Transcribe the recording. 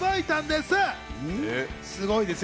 すごいですよ？